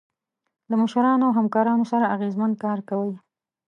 له مشرانو او همکارانو سره اغیزمن کار کوئ.